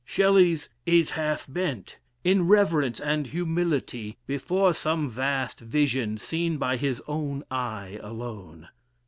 Shelley's is half bent, in reverence and humility, before some vast vision seen by his own eye alone.